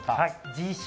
自称